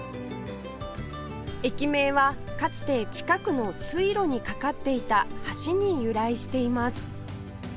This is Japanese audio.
駅名はかつて近くの水路に架かっていた橋に由来しています